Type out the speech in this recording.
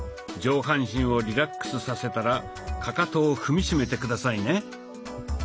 上半身をリラックスさせたらかかとを踏みしめて下さいね。